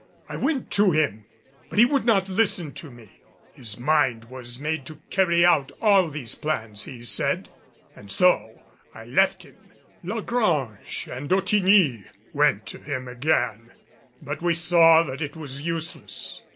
I went to him, but he would not listen to me. His mind was made to carry out all these plans, he said; and so I left him. La Grange and Ottigny went to him again; but we saw that it was useless.